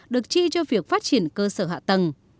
được chi cho việc phát triển cơ sở hạ tầng